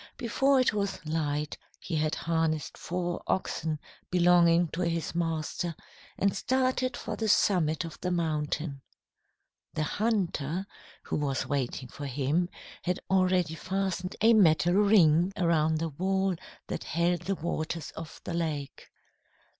Before it was light, he had harnessed four oxen belonging to his master, and started for the summit of the mountain. "The hunter, who was waiting for him, had already fastened a metal ring around the wall that held in the waters of the lake.